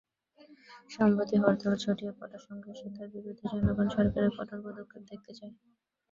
সম্প্রতি হরতালে ছড়িয়ে পড়া সহিংসতার বিরুদ্ধে জনগণ সরকারের কঠোর পদক্ষেপ দেখতে চায়।